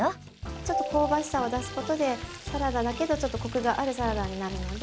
ちょっと香ばしさを出すことでサラダだけどちょっとコクがあるサラダになるので。